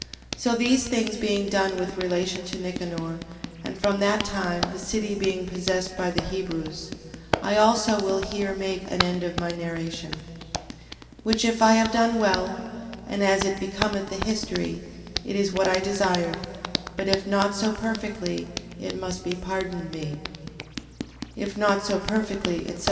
So these things being done with relation to Nicanor, and from that time the city being possessed by the Hebrews, I also will here make an end of my narration. 15:39. Which if I have done well, and as it becometh the history, it is what I desired: but if not so perfectly, it must be pardoned me. If not so perfectly, etc...